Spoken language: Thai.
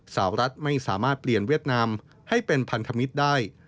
สาวรัฐไม่สามารถเปลี่ยนเวียดนามให้เป็นพันธมิตรได้